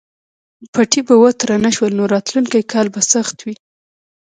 پټي به وتره نه شول نو راتلونکی کال به سخت وي.